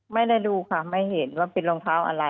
ไม่ได้ดูค่ะไม่เห็นว่าเป็นรองเท้าอะไร